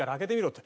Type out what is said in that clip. って。